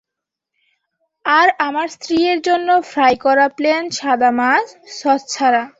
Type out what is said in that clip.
আর আমার স্ত্রীয়ের জন্য ফ্রাই করা প্লেন সাদা মাছ, সস ছাড়া।